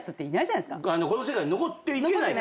この世界残っていけないから。